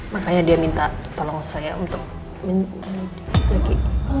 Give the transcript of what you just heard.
makanya dia minta tolong saya untuk menyelidiki lagi